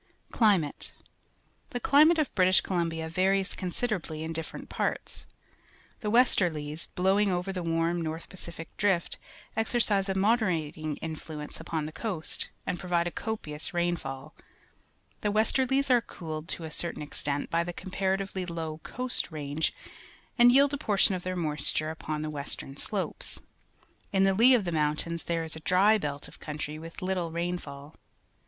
Climate. — The climate of British Colum bia varies considerably in different parts. ^1 Wf ^V^^^M 1 p^^'^uIBIi^^^^^^^^^ikS^^^^^^I m Si^^s^ A big Cedar, Stanley Park, Vancouver The westerhes, blowing over the warm North Pacific Drift, exercise a moderating influence upon the coast and provide a copious rainfall. The westerlies are cooled to a certain extent by the comparati\'ely low Coast Range and yield a portion of their moisture upon the western slopes. In the lee of the mountains there is a dry belt of country with little rainfall.